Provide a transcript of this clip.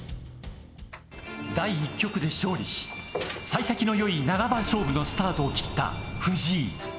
第１局で勝利し、さい先のよい七番勝負のスタートを切った藤井。